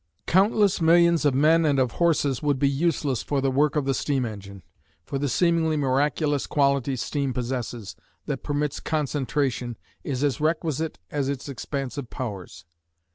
Countless millions of men and of horses would be useless for the work of the steam engine, for the seemingly miraculous quality steam possesses, that permits concentration, is as requisite as its expansive powers.